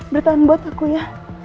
bertahan buat aku ya